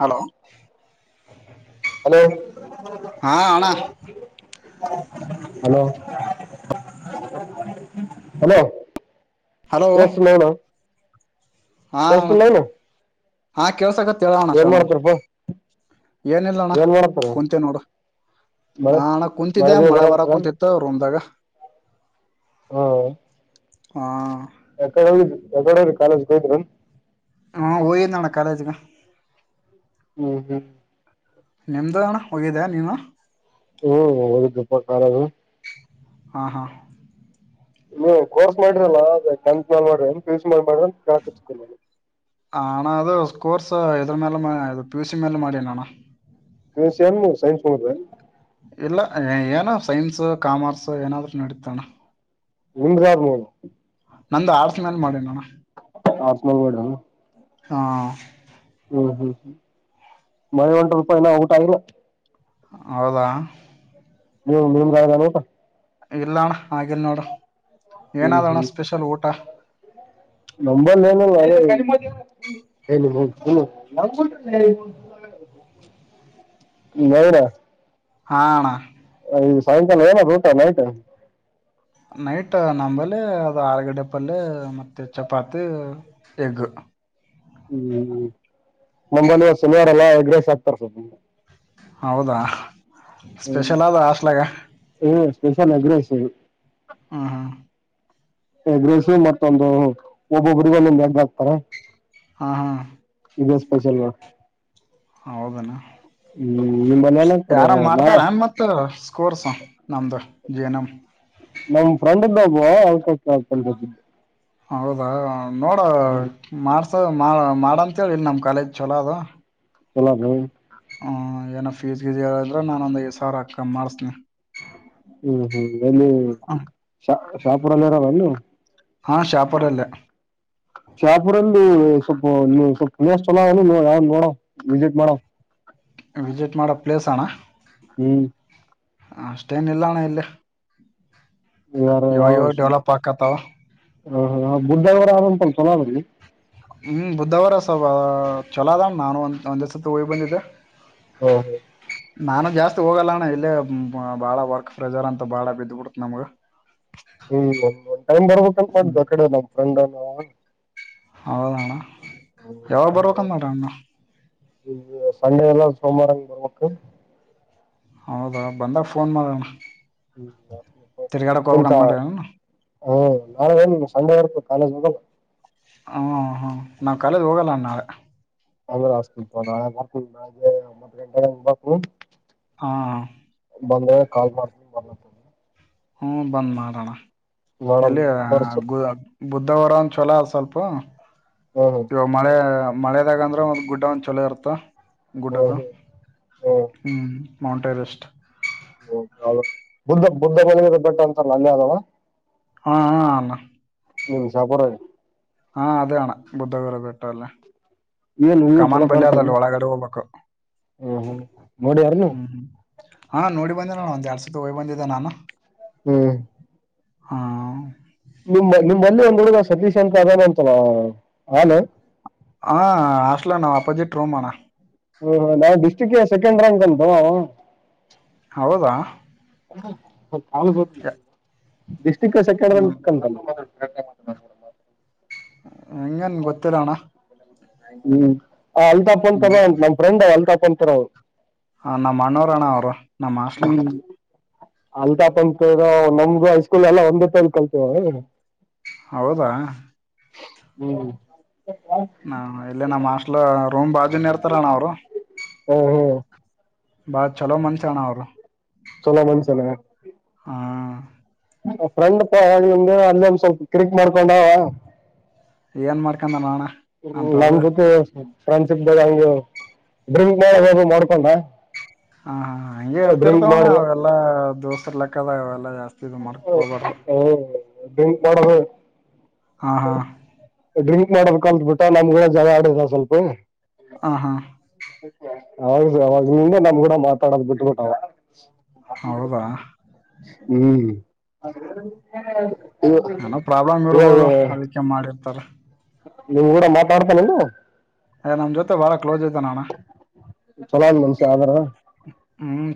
Hello. Hello ಹಾ ಅಣ್ಣಾ. Hello hello hello ಕೆಳಸ್ತ ಹೇಳೋ ಹಾ ಅಣ್ಣ ಕೇಳಿಸ್ತಿಲ್ಲೇನು ಹಾ ಕೇಳ್ಸಕತ ಕೇಳೋಣ ಚಣ ಏನಿಲ್ಲ ಅಣ್ಣ ಏನ್ ಮಾಡತಾರ ಕುಂತೀವಿ ನೋಡು ಮಳೆ ಹ ಅಣ್ಣ ಕುಂತಿದ್ದೆ ಮಳೆಗಿಳೆ ಮಳೆ ಬರ ಬರಲ್ತ ಕುಂತಿತ್ತು ರೊಮ್ದಾಗ ಹಾ ಹಾ ಯಕಡೆ ಹೋಗಿದ್ದಿ ಯಕಡಿ ಹೋಗ್ರಿ ಕಾಲೇಜ್ ಹೋದ್ರಾ ಹಾ ಹೋಗಿದ್ನಣ್ಣ ಕಾಲೇಜಿಗೆ ಹ್ಮ ಹ್ಮ್ ನಿಮ್ದಣ ಹೋಗಿದ್ಯಾ ನೀನು ಹ್ಮ ಹೋಗಿದ್ನೆಪ್ಪ ಕಾಲೇಜು ಹಾ ಹಾ [unintelligible] ನಾನು ಆ ಅಣಾ ಅದು ಸ್ಕೋರ್ಸ ಇದರ ಮೇಲೆ ಮಾಡ್ ಅದು ಪಿ ಯು ಸಿ ಮ್ಯಾಲ ಮಾಡಿನಿ ಅಣ್ಣ ಪಿ ಯು ಸಿ ಏನು ಸೈನ್ಸ್ ಮೂಗದಾದೇನು ಇಲ್ಲ ಏನೋ ಸೈನ್ಸ್ ಕಾಮರ್ಸ್ ಏನಾದ್ರೂ ನಡಿ ತಣ ನಿಮ್ದು ಯಾವುದು ಮುಗ್ದದ ನಂದು ಆರ್ಟ್ಸ್ ಮೇಲೆ ಮಾಡಿ ಅಣ್ಣ ಆರ್ಟ್ಸ್ ಮೇಲ್ ಮಾಡ್ರಿ ಏನ್ ಹಾ ಹ್ಮ್ ಹ್ಮ್ ಹ್ಮ್ ಮಳಿ ಹೊಂಟದಪ್ಪ ಇನ್ನ ಊಟ ಆಗಿಲ್ಲ ಹೌದಾ ನೀ ನಿಮ ಗಾನಪ್ಪ ಇಲ್ಲಣ್ಣ ಆಗಿಲನೋಡ ಹ್ಮ್ ಏನಾದಣ್ಣ ಹ್ಮ್ ಸ್ಪೆಷಲ್ ಊಟ [unintelligible] ಹಾ ಅಣ್ಣ ಸಾಯಂಕಾಲ ಏನ್ ಆದ ಊಟ ನೈಟ್ ನೈಟ್ ನಂಬಲ್ಲಿ ಅದು ಆಲಗಡೆ ಪಲ್ಯ ಮತ್ತೆ ಚಪಾತಿ ಎಗ್ ಹ್ಮ್ ನಂಬಲ್ಲಿ ಶನಿವಾರ ಅಲ್ಲಾ ಎಗ್ರೈಸ್ ಆಗ್ತಾರ ಹೌದಾ ಸ್ಪೆಷಲ್ ಆದ ಹ್ಮ ಹಾಸ್ಟೇಲ್ ಆಗ ಸ್ಪೆಷಲ್ ಎಗ್ ರೈಸ್ ಹ ಹಾ ಎಗ್ರೇಸ್ ಮತ್ತೊಂದು ಒಬ್ಬೊಬ್ಬರಿಗೂ ಒಂದೊಂದು ಎಗ್ ಹಾಕ್ತಾರೆ ಹಾ ಹಾ ಇದೆ ಸ್ಪೆಷಲ್ ಹೌ ಅಣ್ಣ ಹ್ಮ್ ನಿಮ್ಮಲ್ಲಿ ಏನ್ ಹಾಕ್ತಾರ ಯಾರ ನಾ ಮಾಡ್ತಾರ ಮತ್ ಸ್ಕೋರ್ಸ ನಮ್ದು ಹೇ ನಮ್ ನಮ್ ಫ್ರೆಂಡ್ ಇದ್ದ ಒಬ್ಬ ಅದ್ಕ ಹೌದ ನೋಡ ಮಾರ್ ದೋ ಮಾಡ್ ಮಾಡಂತ ಹೇಳಿಲ್ ನಮ್ ಕಾಲೇಜ್ ಚಲೋ ಅದು ಚೊಲೋ ಆದ ಹ್ಮ ಏನೋ ಫೀಸ್ ಗೀಸ್ ಏನಂದ್ರ ನಾನ್ ಒಂದ್ ಐವತ್ ಸಾವಿರ ಕಮ್ಮ ಮಾಡಸ್ತೀನ್ ಹ್ಮ್ ಹ್ಮ್ ಎಲ್ಲಿ ಶ ಶಾಪುರಲ್ಲಿ ಇರದನ್ ನೀವು ಅಲ್ಲ ಹಾಂ ಶಾಪುರಲ್ಲೇ ಶಾಪುರಲ್ಲ ಸ್ವಲ್ಪ ಸ್ವಲ್ಪ ಪುನಿಯ ಚೊಲ ಯಾರ ನೋಡ ವಿಸಿಟ್ ಮಾಡ ವಿಸಿಟ್ ಮಾಡಪ್ ಪ್ಲೇಸ್ಣ್ಣ ಹ್ಮ್ ಅಷ್ಟೇನಿಲ್ಲಣ ಇಲ್ಲಿ ಇವಾಗ್ ಇವಾಗ್ ಡೆವಲಪ್ ಆಕ್ಕತ್ತಾವ ಹ ಹ ಬುದಧವ [unintelligible] ಹ್ಮ್ ಬುದ್ಧವಾರಸವ ಚಲೋದಣ್ ನಾನು ಒ ಒಂದ್ ಒಂದೇ ಸತತೀ ಹೋಗಿ ಬಂದಿದ್ದೆ ಹೌದು ನಾನು ಜಾಸ್ತಿ ಹೋಗಲ್ಲಣ್ಣ ಇಲ್ಲೇ ಬಾಳ ವರ್ಕ್ ಫ್ರೆಜರ್ ಅಂತ ಬಾಳ ಬಿದ್ದ್ಬಿಡ್ತ ನಮ್ಗ ಹ್ಮ್ ಒಂದ ಒಂದ್ ಟೈಮರ್ಬೇಕಂತ ಮಾಡ್ದ್ ಆ ಕಡೆ ನಮ ಫ್ರಂಡ್ ಹ ಹೌದಣ ಯಾವಾಗ ಫ್ರೆಂಡ್ ಬರ್ಬೇಕ ನಡ ಅಣ್ಣ ಈಗ ಸಂಡೆ ಎಲ್ಲಾ ಸೋಮರನು ಬರರ್ಬೇಕು ಹೌದಾ ಬಂದಾಗ ಫೋನ್ ಮಾಡಣ್ಣ ಹ್ಮ ಬಾ [unintelligible] ಮಾಡ್ರಿ ಅಣ್ಣ ಹ್ಮ್ ನಾಳೆ ಸಂಡೆ ಇರ್ಬೆಕು ಹಲೋ ಗೂಗಲ್ ಹ್ಮ ಹ್ಮ ನಾವ್ ಕಾಲೇಜ್ ಹೋಗಲ್ಲ ನಾಳೆ ಅಂದ್ರ ಅತಿ ನಾಳೆ ಬರ್ ನಳೆತ್ ಗಂ ಬರ್ ಹಾ ಬಂದ ಕಲ್ ಮಾಡ್ತಿನಿ ಬಾ ಹ್ಮ ಬಂದ್ ಮಾಡಾಣ ನೋಡಮ್ ಎಲ್ಲಿ ಕೊರ್ಸು ಬುದ್ದವಾರ ಅನ್ ಚಲೋ ಅ ಸ್ವಲ್ಪ ಹ್ಮ್ ಲೋ ಮಳೆಯ ಮಳೆದಾಗ ಅಂದ್ರೆ ಒಂದ್ ಗುಡ್ಡ ಒಂದ್ ಚಲೋ ಇರುತ್ತ ಹ್ಮ್ ಗುಟಕ ಹ್ಮ್ ಹ್ಮ್ ಮಾೌಂಟ್ ಎವಸ್ಟ್ ಬುದ್ಧ ಬುದ್ಧ ಬನ ಬೆಟ್ಟ ಅಂತಲ್ಲ ಅಲ್ಲಿ ಆದದವ ಹಾ ಅಣ ನಿಮ್ಷಪರ [unintelligible] ಹಾ ಅದೇಅಣ್ಣ ಬುದ್ಧಗರಬೆಟ್ಟ ಅಲ್ಲೇ ವನು ಇವು ಚಲೋ ಕಾಣ್ತ ಹ ಹೋಗ್ಬೇಕು ಹ್ಮ ನೋಡಿ ಯಾರನು ಹ್ಮ್ ಹ್ಮ್ ಹಾ ನೋಡಿ ಬಂದ ನ ಒಂದೆರಡು ಸತಿ ಹೋಗಿ ಬಂದಿದ್ದ ನಾನು ಹ್ಮ್ ಹಾ ನಿಮ್ ನಿಮ್ಮಲ್ಲಿ ಒಂದ್ ಹುಡುಗ ಸತೀಶ್ ಅಂತ ಅದೇನ ಅಂತಲ್ಲ ಹಲೋ ಹ ಹಾಸ್ಲ ನಮ್ ಅಪ್ಪಜಿಟ್ ರೋಮಾನಾ ಚಿಕಿಯ ಸೆಕೆಂಡ್ ರಾಂಕ್ ಬಂತ ಹಾ ಹೌದಾ ಯ- ಹ ಹ್ಮ್ [unintelligible] [unintelligible] [inaudible] ಎಂಗೆನ್ ಗೊತ್ತಿಲಣ್ನ ಹ್ಮ ಆ ಅಲ್ತಾಪ್ ಅಂತ ಅದೇ ನಮ್ಮ ಫ್ರೆಂಡ್ ಅಲ್ತಾಫ್ ಕುಂತಾರ ಹ ನಮ್ಮ ಅಣ್ಣಾರೋ ಅಣ್ಣ ಅವರು ನಮ್ಮ್ ಹಾಸ್ಟೆಲ್ ಅಲ್ತಾಫ್ ಅಂತ ಅದಾವ ನಮ್ದು ಹೈಸ್ಕೂಲ್ ಎಲ್ಲ ಒಂದೇ ತಾಲೀ ಕಲ್ತಿರೋವಿ ಹೌದಾ. ಹ್ಮ್ ಹಾ ಇಲ್ಲೇ ನಮ್ಮ್ ಹಾಸ್ಟೆಲ್ ರೂಮ್ ಬಾಜುನೇ ಇರ್ತದ ಇರ್ತಾರನ್ನ ಅವ್ರು ಹ್ಮ ಹ್ಮ್ ಬಾಳ ಚಲೋ ಮನುಷ್ಯ ಅಣ್ಣಾ ಅವರು ಚೊಲೋ ಮನುಷ್ಯನಾ. ಹಾ. ಫ್ರೆಂಡ್ ಪಾ ಅಲ್ಲೊಂದು ಅಲ್ಲೊಂದ ಸ್ವಲ್ಪ ಕಿರಿಕ್ ಮಾಡ್ಕೊಂಡಾ ಅವ ಏನ್ ಮಾಡ್ಕೊಂಡನ ಅಣ್ಣಾ ಹ್ಮ ನಮ್ಮ ಜೊತೆ. ಫ್ರೆಂಡ್ಶಿಪ್ ಬಾಗ ಅವಂಗೆ ಡ್ರಿಂಕ್ ಮಾಡದು ಅದು ಮಾಡ್ಕೊಂಡ ಹಾ ಹಾ ಹಂಗೆ ಡ್ರಿಂಕ್ ಇರ್ತಿರ್ತಾವಣ್ಣ ಮಾಡದ ಅವೆಲ್ಲಾ ದೋಸ್ರ್ ಲೆಕ್ಕ ಅವು ಎಲ್ಲ ಲಾ ಮಾಡ್ಕೊಕೂಬಾಡದು. ಡ್ರಿಂಕ್ ಮಾಡದು ಡ್ರಿಂಕ್ ಮಾಡರ್ ಕಲ್ತ್ ಬಿಟ್ಟಾ ನಮ್ಗೂ ಜಗಳ ಆಡಿದ ಸ್ವಲ್ಪ. [inaudible] ಹಾ ಹಾ ಅವ ಅವಾಗ ನಿಂದೆ ನಮ್ ಕೂಡ ಮಾತಾಡೋದು ಬಿಟ್ಟಬಟ್ಟವ. ಹೌದಾ. ಹ್ಮ್. ಏನೊ ಪ್ರಾಬ್ಲಮ್ ಇವಾಗ ಇರ್ಬೋದು ಅದಕ್ಕೆ ಮಾಡಿರ್ತಾರೆ. ನಿಮ್ ಗೂಡ ಮಾತಾಡ್ತಾನಿಲ್ ಅವ ನಮ್ ಜೊತೆ ಬಾಳ ಕ್ಲೋಸ್ ಇದಾನ ಅಣ್ಣಾ. ಚೊಲೋ ಆದ ಮನುಷ್ಯ ಆದರ. ಹ್ಞೂ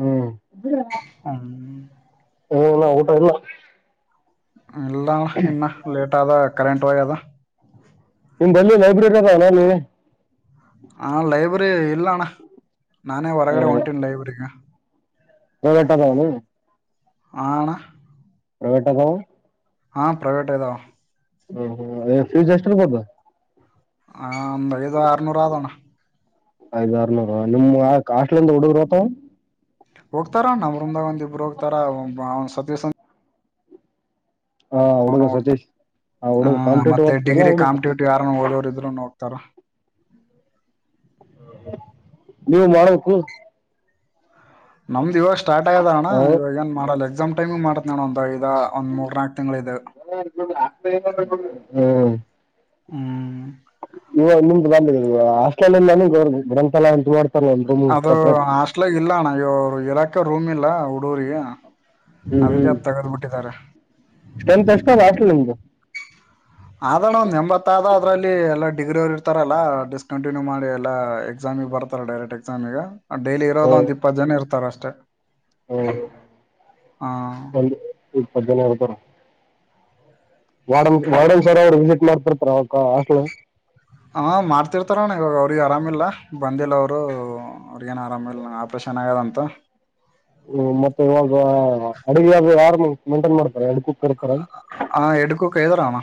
ಹ್ಮ್. ಹ್ಮ್. ಹೊ ಇಲ್ಲ ಊಟಯಿಲ್ಲ. ಇಲ್ಲ ಅಣ್ಣಾ ಇನ್ನ ಲೇಟ್ ಆದ ಕರೆಂಟ್ ಹೋಗೇದ. ನಿಮ್ ಬಳ್ಳಿ ಲೈಬ್ರರಿದ ಅಣ ನೀ ಹ ಲೈಬ್ರರಿ ಇಲ್ಲಣ್ಣ ನಾನೇ ಹೊರಗಡೆ ಹೊಂಟಿನಿ ಲೈಬ್ರಗ ಪ್ರೈವೇಟ್ ಅದಾವನು ಆ ಅಣ್ಣ ಪ್ರೈವೇಟಾಗಾವ ಹ ಪ್ರೈವೇಟ್ ಇದಾವ ಹ ಹ ಫ್ಯೂಜ್ ಎಸ್ಟಿರ್ ಬೋದ್ ಹ ಅಂದ ಐದು ಅರನೂರ ಅದ ನಾ ಅದಾರ್ನೂರ ನಿಮ್ [unintelligible] ಹೋತಾವ ಹೋಗ್ತಾರಾ ನ ವೃಂದಾ [unintelligible] ಒಗ್ತಾರಾ ಒಬ್ಬ ಅವ ಸತಿಸ [unintelligible] ಆ ಹುಡುಗ ನ ಸತೀಶ್ ಆ ಹುಡುಗ ಹ ಕಾಂಪಿಟೇಟಿವ್ ಮತ್ತೆ ಓದ್ತದಲ್ಲ ಡಿಗ್ರಿ ಹುಡುಗ ಕಾಂಪಿಟ್ಯೂಟಿವ್ ಯಾರನ್ನು ಓದೋರು ಇದ್ರು ನೋಡ್ ತ್ತರ ನೀವು ಮಾಡ್ಬೇಕು ನಮ್ದ್ ಇವಾಗ ಸ್ಟಾರ್ಟ್ ಆಗದನ್ನ ಹ ಇವಾಗ ಏನ್ ಮಾಡಲ್ಲ ಟೈಮ್ ಮಾಡ ನಾನೊಂದು ಇದಾ ಒಂದ ಮೂರು ನಾಕು ತಿಂಗಳ ಇದು. ಹ್ಮ್ ಇವ ನಿಮ್ದ ಬ ಆಸ್ಟ ಗ್ರಂಥಾಲ ಉಟ ಮಾಡ [unintelligible] ಅದು ಹಾಸ್ಟೇಲಾಗ್ ಇಲ್ಲಣ ಇವರು ಇರಾ ರೂಮ್ ಇಲ್ಲಾ ಹುಡುಗರಿಗೆ ಹ್ಮ್ ಅದಕ್ಕೆ ಹ್ಮ್ ಅದ್ ತೆಗದ್ ಬಿಟ್ಟಿದ್ದಾರೆ ಎನ್ತ್ ಅಷ್ಟ ಆಲ ನಿಮ್್ದ ಅದ್ರಲ್ಲೂ ಒಂದ್ ಎಂಬತ್ ಆದ ಅದ್ರಲ್ಲಿ ಎಲ್ಲಾ ಡಿಗ್ರಿ ಅವ್ರು ಇರ್ತಾರಲ್ಲ ಡಿಸ್ಕಂಟಿನ್ಯೂ ಮಾಡಿ ಎಲ್ಲಾ ಎಕ್ಸಾಮಿಗ್ ಬರ್ತಾರೆ ಡೈರೆಕ್ಟ್ ಎಕ್ಸಾಮಿಗೆ ಡೈಲಿ ಇರೋದ್ ಒಂದ ಇಪ್ಪತ್ ಜನ ಇರ್ತಾರಷ್ಟೆ ಚ ಹಾ ಒಂದು ಇಪ್ಪತ್ ಜನ ಇರ್ತಾರ ವಾರ್ಡ ವಾರ್ಡನ್ ಸರ್ ಅವರು ವಿಸಿಟ್ ಮಾಡ್ ಪ್ರಿಯಾಂಕಾ ಹಾಸ್ಟೆಲು ಹಾ ಮಾಡ್ತಿರ್ತಾರಣ್ಣ ಇವ್ರು ಅವ್ರಿಗೆ ಆರಾಮಿಲ್ಲ ಬಂದಿಲ್ಲ ಅವರು ಅವ್ರಿಗೇನು ಆರಾಮಿಲ್ಲನ ಆಪ್ರೇಷನ್ ಆಗ್ಯದಂತ ಹ್ಮ ಮತ್ತೆ ಇವಾಗ ಅಡುಗೆ ಯಾರ್ ಯಾರಿ ಮೆಂಟೈನ್ ಮಾಡ್ತಾರೆ ಅಲ್ ಹಾ ಎರ್ಡುಕ್ಕು ಕೆ ವಿರಾಮ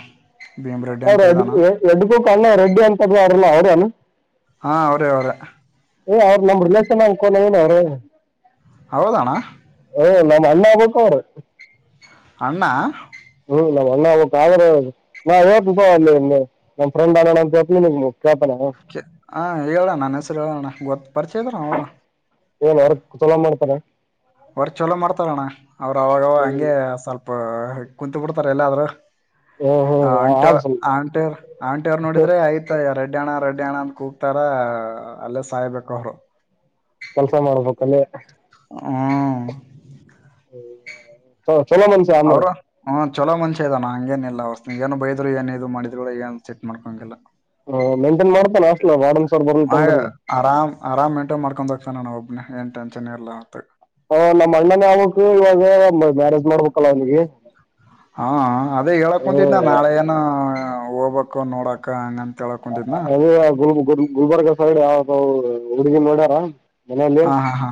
ಸರ್ ಅ ಎ ಎರ್ಡುಕ್ಕು ಅಣ್ಣ ರೆಡ್ಡಿ ಅಂತಾನೆ ಅದಲ್ಲ ಭಾನು ಹಾ ಅವ್ರೇ ಅವ್ರೆ ಏ ಅವ್ರು ನಮ್ ರಿಲೇಷನ್ ಅನ್ಕೊಂಡಂವ್ನ ಅವ್ರು ಹೌದಣ ಓ ನಾನ್ ಅಣ್ಣ ಆಗ್ಬೇಕೊ ಅವರ್ ಅಣ್ಣಾ ಹ್ಮ್ ನಮ್ಮ್ ಅಣ್ಣ ಆಗ್ಬೇಕು ಆದ್ರೆ ನಾ ಹೇಳ್ತಿರ್ಲಿಲ್ಲ ನಿನಿಗ್ ಅಲ್ಲಿ ನನ್ ಫ್ರೆಂಡ್ ಇದ್ದನ್ ಅಣಾ ಅಂತ ಹೇಲಿಲ್ ನಿನಿಗಿ ಹ ಹೇಳಣ್ಣ ನನ್ನ ಹೆಸರ ಹೇಳಣ್ಣ ಗೊತ್ ಪರಿಚಯ ಇದ್ರ ಅವರ ಏನು ವರ್ಕ್ ಚಲೋ ಮಾಡ್ತಾನೆ ಅವರು ಅವಗವಾಗ ಅಂಗೆ ಸ್ವಲ್ಪ ಕುಂತ ಬಿಡ್ತಾರ ಹೆಲ್ಲಾದ್ರೂ ಹ್ಞೂ ಹ್ಞೂ ಆಂಟ ಆದ್ ಸ್ವಲ್ಪ ಆಂಟೆವರು ಆಂಟಿವರು ನೋಡಿದ್ರೆ ಆಯ್ತ ಯಾರಡ್ ರಡ್ಡ್ಯಣ್ಣ ರೆಡ್ಡಿಯಣ ಅಂತ ಕೂಗ್ತಾರ ಅಲ್ಲೇ ಸಾಯ್ಬೇಕ ಅವರು ಕೆಲ್ಸ ಮಾಡ್ಬೇಕಲ್ಲಿ ಹ್ಮ್ [inaudible] ಚಲೋ ಮನುಷ್ಯ ಅಂದ್ರ ಅವರು ಹ್ಞೂ ಚಲೋ ಮನುಷ್ಯ ಇದದಾನಾ ಹಂಗೇನಿಲ್ಲ ಏನು ಬೈದ್ರು ಏನ್ ಇದು ಮಾಡಿದ್ರು ಏನ್ ಸಿಟ್ ಮಾಡ್ಕೊಂಗಗೆಲ್ಲ ಹ ಮೈಂಟೈನ್ ಮಾಡ್ತಾನ ಹಾಸ್ಟೆಲ್ ವಾರ್ಡನ್ ಸರ್ ಆ ಬರ್ಲಿಕ್ಕಂದ್ರೂ ಆರಾಮ್ ಆರಾಮ್ ಮೇಂಟೈನ್ ಮಾಡ್ಕೊಂಡ ತ್ಕ್ಷಣ ನಾನ ಒಬ್ಬ ಏನ್ ಟೆನ್ಷನ್ ಇರಲ್ಲಾಂತ ಹ ನಮ್ಮ್ ಅಣ್ಣನ ಆಗ್ಬೆಕ್ ಇವಾಗ ಮ್ಯಾರೇಜ್ ಮಾಡ್ಬೇಕಲ್ಲ ಅವನಿಗಿ ಹಾ ಅದೇ ಹೇಳಕ್ ಕುಂತಿದ್ನ ನಾಳೆ ಏನ ಹೋಗ್ಬಕ ನೋಡಕ ಹಂಗಂತ ಹೇಳಕ್ ಕುಂತಿದ್ನ ಅದ ಗುರು ಗುರು ಗುಲ್ಬರ್ಗ ಸೈಡ್ ಯಾವದ ಹುಡುಗಿ ನೋಡ್ಯಾರ ಮನೆಯಲ್ಲಿ ಹಾ ಹಾ ಹಾ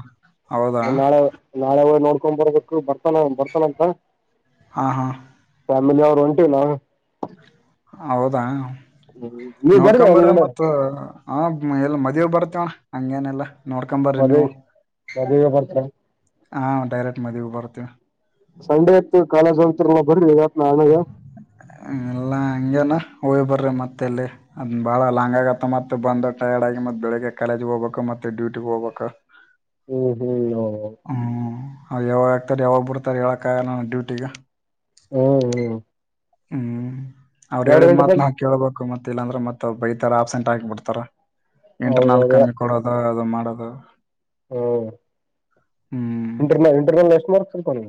ಹೌದಾ ನಾಳೆ ನಾಳೆ ಹೋಗಿ ನೋಡ್ಕೊಂಡ್ ಬರ್ಬೇಕು ಬರ್ತಾನ ಬರ್ತಾನಂತ ಹಾ ಹಾ ಫ್ಯಾಮಿಲಿ ಅವ್ರು ಒಂಟಿವಿ ನಾವೆ ಹೌದಾ ನೀವ್ ಬರ್ರಿ ನೋಡ್ಕೊಂಡ್ ಅವ್ನ ಬರಿ ಕೂಡ ಮತ್ತ ಹ ಎಲ್ ಮದವ ಬರ್ತ್ತ ಅಂಗೇನಿಲ್ಲ ಮದುವೆ ಮದುವೆಗೆ ಬರ್ತ ಹಾ ಡೈರೆಕ್ಟ್ ಮದುವಿಗಿ ಬರ್ತೀವಿ ಸಂಡೆ ಆತ್ತು ಕಾಲೇಜ್ಂತ ನ ಬರೆ ಎಲ್ಲ ಹಂಗಗೆನಾ ಹೋಗ್ ಬರ್ರಿ ಮತ್ತೆ ಎಲ್ಲಿ ಅದ್ ಬಾಳ ಲಾಂಗ್ ಆಗತ್ತ ಮತ್ತೆ ಬಂದು ಟಯರ್ಡ್ ಆಗಿ ಮತ್ತ ಬೆಳಿಗ್ಗೆ ಕಾಲೇಜ್ಗೆ ಹೋಗ್ಬೇಕ್ ಮತ್ತೆ ಡೂಟಿಗೆ ಹೋಗ್ಬೇಕ್ ಹ್ಮು ಹ್ಮು ಹ ಹ್ಮು.. ಹ ಯಾವಾಗ ಹಾಕ್ತಾರೆ ಯಾವಾಗ ಬಿಡ್ತಾರ್ ಹೇಳಕ ಆಗಲ್ಲ ನಾನ ಡ್ಯೂಟಿಗೆ ಹ್ಮ್ ಹ್ಮ್ ಹ್ಮು ಅವ್ರ ಎರಡು ಹೇಳಿದ್ ಮಾತ್ ಗಂಟೆದಾಗ ನಾವ್ ಕೇಳ್ಬಬೇಕು. ಕ್ಕೂ ಮತ್ತ ಇಲ್ಲ ಅಂದ್ರೆ ಮತ್ ಬೈತಾರ ಅಬ್ಸೆಂಟ್ ಹಾಕಿ ಬಿಡ್ತಾರ. ಇಂಟರ್ ನಲ್ ಹೌದೌದ ಕಮ್ಮಿ ಕೊಡೋದ. ದ ಮಾಡದು ಹ್ಮ ಇಂಟರ್ನಲ್ ಇಂಟರ್ನಲ್ ಎಷ್ಟ ಮಾರ್ಕ್ಸ್ ತಗೊಂಡ್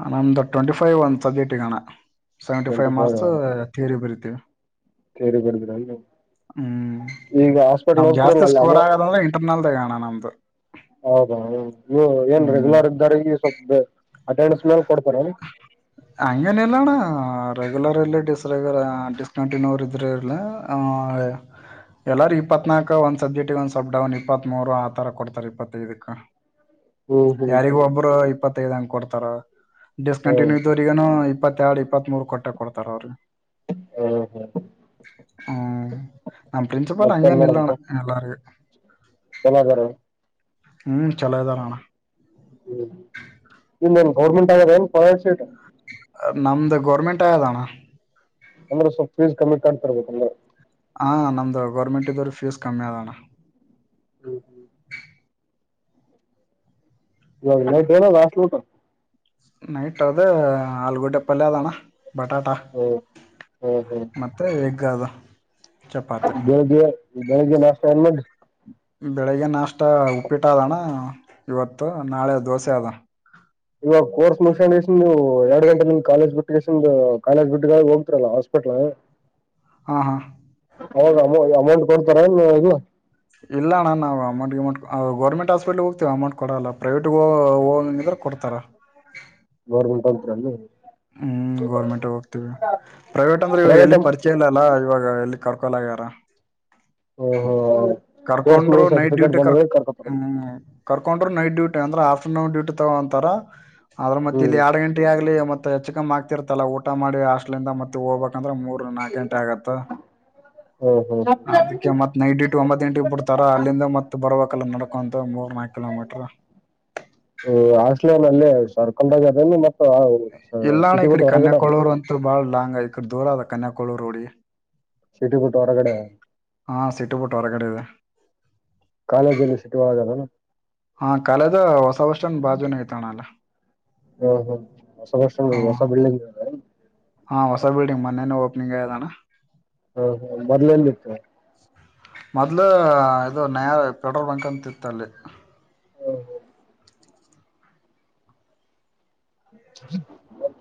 ಹ ನಂದು ಟ್ವೆಂಟಿ ಫೈವ್ ಒಂದ್ ಸಬ್ಜೆಕ್ಟ್ ಅಣ್ಣ. Seventy five twenty marks theory ಬರುತ್ತೆ. ದು ಸೇರಿ ಬರ್ದಿರಲ್ಲ ಅಲ್ಲ ನೀವು ಈಗ ಹಾಸ್ಪಿಟ್ಲ್ ಹೋಗ್ತಿರಲ್ಲ ಅಲ್ಲಿ ನಾವು ನಂದು ಹೌದಾ ನೀವು ಏನ್ ರೆಗ್ಯುಲರ್ ಇದ್ದರಿಗೆ ಸ್ವಲ್ಪ.. ಅಟೆಂಡನ್ಸ್ ಮೇಲೆ ಕೊಡ್ತಾರೇನ್? ಹಂಗೇನ ಇಲ್ಲಣ್ಣ ರೆಗ್ಯುಲರ್ ಅಲ್ಲಿ ಡಿಸ್ ರೆಗ್ಯುಲರ್ ಡಿಸ್ಕಂಟಿನ್ಯೂರ್ ಇದ್ರ ಇರ್ಲಿ ಹ ಎಲ್ಲಾರಗು ಇಪ್ಪತ್ನಾಕ ಒಂದ್ ಸಬ್ಜೆಕ್ಟ್ ಒಂದ್ ಸಲ್ಪ ಡೌನ್ ಇಪ್ಪತ್ ಮೂರು ಆತರ ಕೊಡ್ತಾರೆ ಇಪ್ಪತ್ತೈದಕ್ಕ. ಹ್ಮ್ ಹ್ಮ್ ಹ್ಮ್ ಯಾರಿಗ್ ಒಬ್ರು ಇಪ್ಪತ್ ತೆಗೆದಂಗ್ ಕೊಡ್ತಾರ. ಹ್ಮ್ ಡಿಸ್ಕಂಟಿನ್ಯೂ ಏನೋ ಇಪ್ಪತ್ತ ಎರಡು ಇಪ್ಪತ್ ಮೂರು ಕೊಟ್ಟೆ ಕೊಡ್ತಾರ ಅವ್ರು. ಹ್ಮ್ ಹ್ಮ ನಮ್ ಪ್ರಿನ್ಸಿಪಾಲ್ ಮತ್ತೇನ್ ಹಂಗೇನ್ ಇಲ್ಲಣ್ಣ ಮಾಡದಪ್ಪ ಎಲ್ಲರಿಗೆ ಚಲೋ ಅದಾರಿ ಹ್ಮ್ ಚಲೋ ಇದಾರಣ ಹ್ಮ್ ನಿಂದೆನ್ ಗೌರ್ಮೆಂಟ್ ಆಗದ ಏನ್ ಪ್ರೈವೇಟ್ ಸೀಟ್? ನಮ್ದು ಗೌರ್ಮೆಂಟ್ ಆಯದಣ ಅಂದ್ರೆ ಸ್ವಲ್ಪ ಫೀಸ್ ಕಮ್ಮಿ ಕಟ್ಟತಿರ್ಬೇಕ್ ಅಂದ್ರ ಹ ನಮ್ದು ಗೌರ್ಮೆಂಟ್ ಇದವ್ರಿಗ್ ಫೀಸ್ ಕಮ್ಮಿ ಅದಣ. ಹ್ಮ್ ಹ್ಮ್ ಇವಾಗ್ [unintelligible] ಲಾಸ್ಟ್ ಲೂಟ್ ನೈಟ ಅದೆ ಆಲೂಗಡ್ಡೆ ಪಲ್ಯ ಅದಣ. ಬಟಾಟ ಹ್ಮ್ ಮತ್ತೆ ಎಗ್ ಗದ ದದ [unintelligible] ಈ ಬೆಳಿಗ್ಗೆ ನಾಷ್ಟ ಬೆಳಿಗ್ಗೆ ನಾಷ್ಟ ಉಪ್ಪಿಟ್ಟ ಅದ ಅಣ್ಣ ಇವತ್ತು ನಾಳೆ ದೋಸೆ ಅದ. ಇವಾಗ ಕೋರ್ಸ್ ಮುಗಿಸ್ಕೊಂಡು ಎರಡು ಗಂಟೆ ನಿ ಕಾಲೇಜ್ ಬಿಟ್ಟ ಕಾಲೇಜ್ ಬಿಟ್ಟ ಹೋಗ್ತರಲ್ಲಾ ಹಾಸ್ಪಿಟ್ಲ್ ಹಾ ಹಾ ಹೌದೌ ಆಮ್ ಅಮೌಂಟ್ ಕೊಡ್ತಾರ ನೀ ಇಲ್ಲ ಇಲ್ಲಣ್ಣನ್ ನಾವು ಅಮೌಂಟ್ ಗಿ ಅಮೌಂಟ್ ಗೌರ್ಮೆಂಟ್ ಹಾಸ್ಪಿಟ್ಲ್ ಹೋಗ್ತೇವಿ ಅಮೌಂಟ್ ಕೊಡಲ್ಲ ಪ್ರೈವೇಟ್ ಹೊ ಹೋಗನಗಿದ್ರೆ ಕೊಡ್ತಾರ ಗೌರ್ಮೆಂಟ್ ಅಂತ್ರಲ್ಲಿ ಹ್ಮ್ ಗೌರ್ಮೆಂಟ್ ಹೋಗ್ತೀವಿ ಪ್ರೈವೇಟ್ ಅಂದ್ರೆ ಇವಾಗ ಎಲ್ಲಿ ಪರಿಚಯ ಇಲ್ಲ ಅಲ್ಲ ಇವಾಗ ಎಲ್ಲಿ ಕರ್ಕಲಾಗ್ಯಾರ್ ಕೋರ್ಸ್ ಕರ್ಕೊಂಡ್ರು ಮುಗಿದ ನೈಟ್ ಸರ್ಟಿಫಿಕೇಟ್ ಡ್ಯೂಟಿ ಕರ್ ಬಂದಾಗ ಕರ್ಕೊತಾರ ಹ್ಮ್ ಕರ್ಕೊಂಡ್ರು ನೈಟ್ ಡ್ಯೂಟಿ ಅಂದ್ರೆ ಆಫ್ಟರ್ನೂನ್ ಡೂಟಿ ತಗೊಂತಾರ ಆದದ್ರ ಮತ್ತೆ ಇಲ್ಲಿ ಹ್ಮ್ ಎರಡು ಗಂಟೆ ಆಗ್ಲಿ ಮತ್ ಹೆಚ್ಚಚ್ಕಮ್ಮ ಆಗ್ತಿರ್ತಲ್ಲ ಊಟ ಮಾಡಿ ಅಷ್ [unintelligible] ಮತ್ತೆ ಹೋಗ್ಬೇಕಂದ್ರೆ ಮೂರ್ ನಾಲ್ಕ ಗಂಟೆ ಆಗತ್ತ ಹು ಹು ನೈಟ್ ಡ್ಯೂಟಿ ಒಂಬತ್ತು [inaudible] ಗಂಟೆಗೆ ಬಿಡ್ತಾರ ಅಲ್ಲಿಂದ ಮತ್ ಬರ್ಬೇಕಲ್ಲ ನಡ್ಕೊಂತ ಮೂರ್ ನಾಕು ಕಿಲೋಮೀಟರ್ ಹ ಆಸ್ಟಲಲ್ಲಿ [unintelligible] ಸರ್ಕಲ್ [unintelligible] ಅದ ಮತ್ ಎಲ್ಲಾಣ ಇ ಕಡೆ ಕನ್ಯಾಕೊಳವರು ಅಂತೂ ಬಾಳ ಲಾಂಗ್ ಆಯ್ತತಿ ಈಕಡೆ ದೂರದ ಕನ್ಯಾಕೋಲೂರ್ ರೋಢಿಗಿ ಸಿಟಿ ಬಿಟ್ ಹೊರಗಡೆ ಸಿಟಿ ಬಿಟ್ಟು ಹೊರಗಡೆ ಇದೆ ಕಾಲ ಜಲ್ಲ ಶಟವಳಲ್ಲ ಹಾ ಕಾಲೆದ ಹೊಸ ವರ್ಷಂನ ಬಾಜುನ ಐತಣ ಅಲ್ಲ ಹ್ಮ್ ಹ್ಮ್ ಹೊಸ ಬಸ್ ಹ ಸ್ಟ್ಯಾಂಡ್ ಹೊಸ ಬಿಲ್ಡಿಂಗ್ ಹಾ ಹೊಸ ಬಿಲ್ಡಿಂಗ್ ಮೊನ್ನೆ ನ ಓಪನಿಂಗ್ ಆಗೇದ ಅಣ್ಣ. [inaudible] ಹಾ ಹಾ ಮೊದಲ ಎಲ್ಲಿತ್ತ. ಮೊದ್ಲು ಅದು ನಯ ಪೆಟ್ರಲ್ ಬಂಕ್ ಅಂತ ಇತ್ ಅಲಿ. [unintelligible]